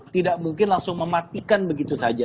tidak mungkin langsung mematikan begitu saja